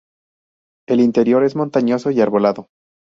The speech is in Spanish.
El interior es montañoso y arbolado.